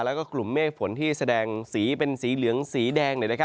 แล้วก็กลุ่มเมฆฝนที่แสดงสีเป็นสีเหลืองสีแดง